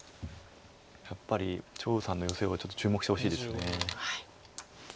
やっぱり張栩さんのヨセはちょっと注目してほしいです。